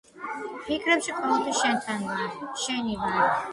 ფიქრებში ყოველთვის შენთან ვარ, შენი ვარ.